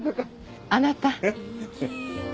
あなた。